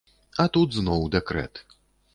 А тут зноў дэкрэт.